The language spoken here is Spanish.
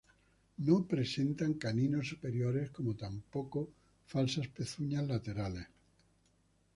No presentan caninos superiores, como tampoco falsas pezuñas laterales.